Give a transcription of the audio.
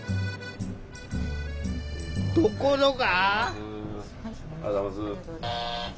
ところが。